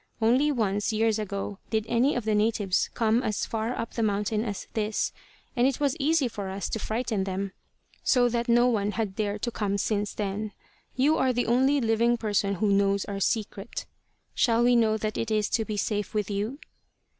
Only once, years ago, did any of the natives come as far up the mountain as this, and it was easy for us to frighten them so that no one has dared to come since then. You are the only living person who knows our secret. Shall we know that it is to be safe with you?"